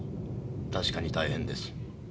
確かに大変です。